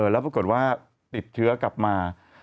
แล้วปรากฏว่าติดเชื้อกลับมา